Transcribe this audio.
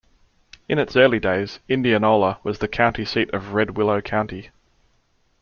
In its early days, Indianola was the county seat of Red Willow County.